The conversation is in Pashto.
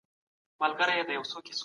دا یو ملي تړون دی.